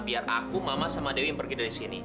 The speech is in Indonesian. biar aku mama sama dewi yang pergi dari sini